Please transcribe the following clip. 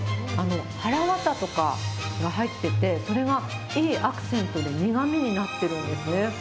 はらわたとかが入ってて、それがいいアクセントで、苦みになってるんですね。